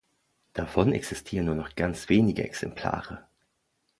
Davon existieren nur noch ganz wenige Exemplare.